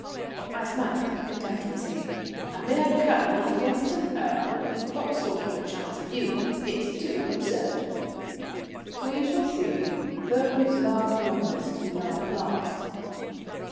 I smiled contemptuously. "A mere Colonel against an Earl! What sort of a chance have you? It's too absurd." "We shall see. Those laugh longest who laugh last."